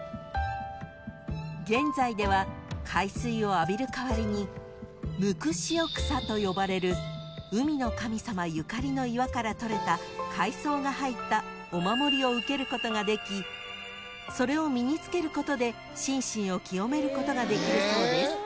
［現在では海水を浴びる代わりに無垢塩草と呼ばれる海の神様ゆかりの岩からとれた海藻が入ったお守りを受けることができそれを身に付けることで心身を清めることができるそうです］